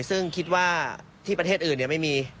ซึ่งคิดว่าที่ประเทศอื่นไม่มี